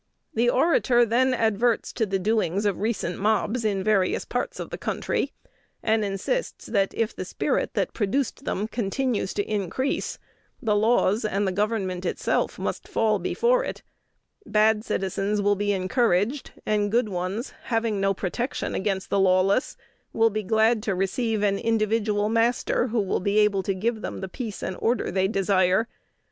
The orator then adverts to the doings of recent mobs in various parts of the country, and insists, that, if the spirit that produced them continues to increase, the laws and the government itself must fall before it: bad citizens will be encouraged, and good ones, having no protection against the lawless, will be glad to receive an individual master who will be able to give them the peace and order they desire.